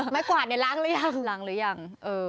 ไม่กวาดล้างหรือยัง